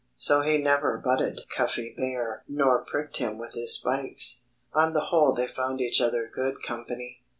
So he never butted Cuffy Bear nor pricked him with his spikes. On the whole they found each other good company.